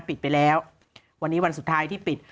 ปิดไปแล้ววันนี้วันสุดท้ายที่ปิด